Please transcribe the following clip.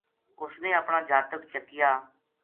اس نے اپنا جاتک چکیا